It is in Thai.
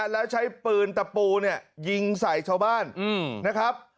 แล้วใช้ปืนตะปูเนี่ยยิงใส่ชาวบ้านนะครับ